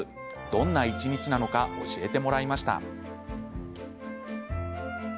どんな一日なのか教えてもらいました。